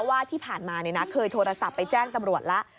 ว่าที่ผ่านมาเคยโทรศัพท์ไปแจ้งตำรวจแล้ว